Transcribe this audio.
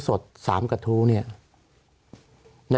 สวัสดีครับทุกคน